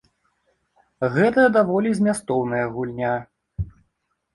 Гэта даволі змястоўная гульня.